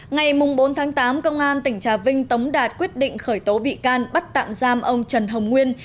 ngày bốn tháng tám công an tỉnh trà vinh tống đạt quyết định khởi tố bị can bắt tạm giam ông trần hồng nguyên